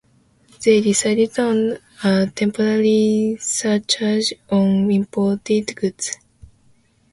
They decided on a temporary surcharge on imported goods.